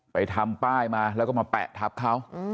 ทำป้ายมาแล้วก็มาแปะทับเขา